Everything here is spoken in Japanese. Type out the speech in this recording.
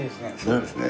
そうですね。